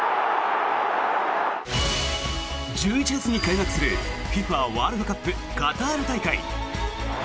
１１月に開幕するＦＩＦＡワールドカップカタール大会。